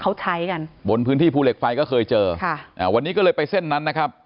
เขาใช้กันบนพื้นที่ภูเหล็กไฟก็เคยเจอค่ะอ่าวันนี้ก็เลยไปเส้นนั้นนะครับ